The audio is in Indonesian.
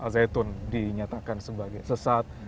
zaitun dinyatakan sebagai sesat